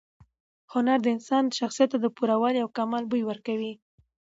هنر د انسان شخصیت ته د پوره والي او کمال بوی ورکوي.